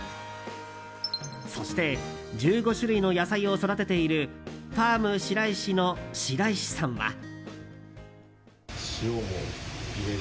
そして１５種類の野菜を育てているファーム白石の白石さんは。